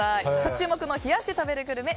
注目の冷やして食べるグルメ